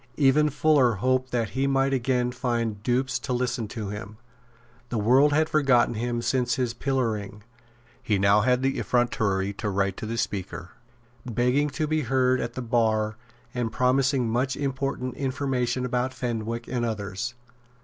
Even Fuller hoped that he might again find dupes to listen to him. The world had forgotten him since his pillorying. He now had the effrontery to write to the Speaker, begging to be heard at the bar and promising much important information about Fenwick and others.